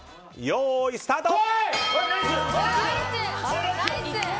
よーい、スタート！